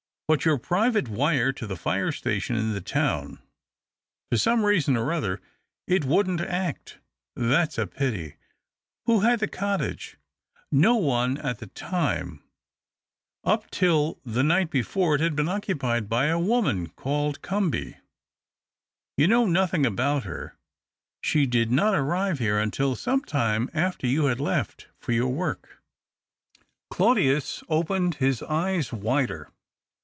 " But your private wire to the fire station in the town 1 "" For some reason or other it wouldn't act." " That's a pity. Who had the cottage ?" "No one at the time. Up till the night 276 THE OCTAVE OF CLAUDIUS. before it had been occupied by a woman called Comby. You know nothing about her. She did not arrive here until some time after you had left — for your work." Claudius opened his eyes wider.